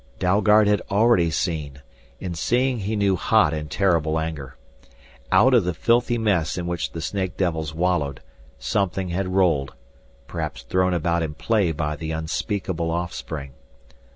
Dalgard had already seen, in seeing he knew hot and terrible anger. Out of the filthy mess in which the snake devils wallowed, something had rolled, perhaps thrown about in play by the unspeakable offspring.